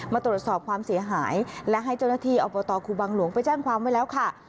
มาตรวจสอบความเสียหายและให้เจ้าหน้าที่อบตครูบังหลวงไปแจ้งความไว้แล้วค่ะ